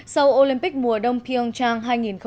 sau olympic mùa đông pyeongchang hai nghìn một mươi tám